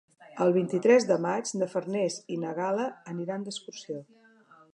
El vint-i-tres de maig na Farners i na Gal·la aniran d'excursió.